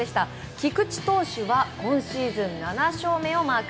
菊池投手は今シーズン７勝目をマーク。